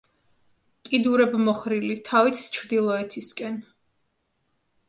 კიდურებმოხრილი, თავით ჩრდილოეთისკენ.